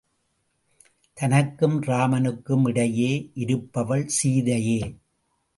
தனக்கும் ராமனுக்கும் இடையே இருப்பவள் சீதையே.